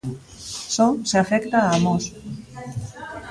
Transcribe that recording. Só se afecta a Mos.